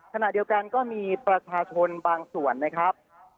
ขณะเดียวกันก็มีประชาชนบางส่วนนะครับ